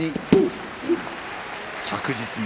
着実に。